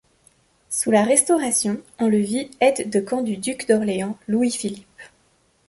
Sous la Restauration, on le vit aide de camp du duc d'Orléans, Louis-Philippe.